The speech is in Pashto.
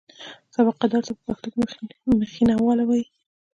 سابقه دار ته په پښتو کې مخینه والا وایي.